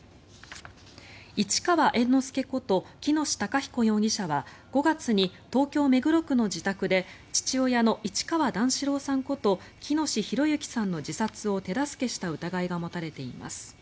市川猿之助こと喜熨斗孝彦容疑者は５月に東京・目黒区の自宅で父親の市川段四郎さんこと喜熨斗弘之さんの自殺を手助けした疑いが持たれています。